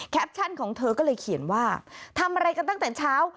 ของเธอก็เลยเขียนว่าทำอะไรกันตั้งแต่เช้า